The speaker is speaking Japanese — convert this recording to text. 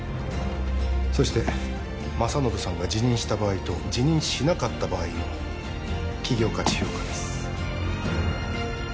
そして政信さんが辞任した場合と辞任しなかった場合の企業価値評価です